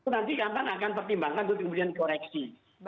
nanti kapan akan pertimbangkan untuk kemudian koreksi